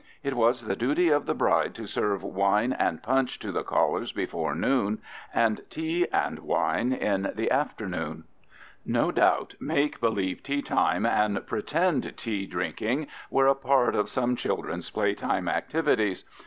It was the duty of the bride to serve wine and punch to the callers before noon and tea and wine in the afternoon. No doubt, make believe teatime and pretend tea drinking were a part of some children's playtime activities.